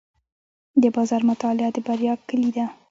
د بازار مطالعه د بریا کلي ده.